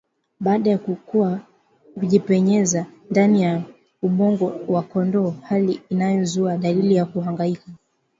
baada ya kukua hujipenyeza ndani ya ubongo wa kondoo hali inayozua dalili za kuhangaika